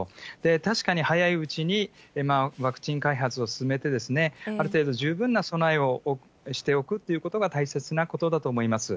確かに早いうちにワクチン開発を進めて、ある程度、十分な備えをしておくっていうことが大切なことだと思います。